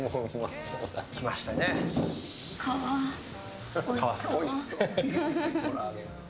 皮、おいしそう。